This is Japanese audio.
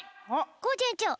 コージえんちょう。